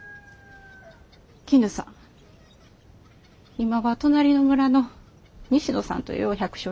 今は隣の村の西野さんというお百姓に嫁いどる。